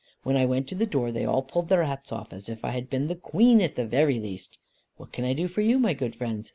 When I went to the door they all pulled their hats off, as if I had been the Queen at the very least. 'What can I do for you, my good friends?